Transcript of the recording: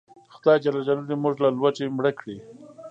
خدای ج دې موږ له لوږې مړه کړي